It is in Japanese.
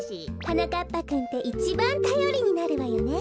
はなかっぱくんっていちばんたよりになるわよね。